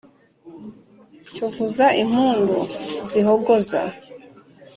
Cyo vuza impundu z’ihogoza